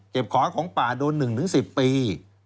เก็บของของปลาโดน๑๑๐ปี